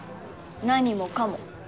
何もかも。